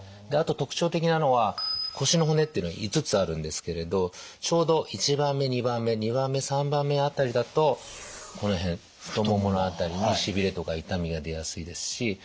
であと特徴的なのは腰の骨っていうのは５つあるんですけれどちょうど１番目２番目２番目３番目辺りだとこの辺太ももの辺りにしびれとか痛みが出やすいですし。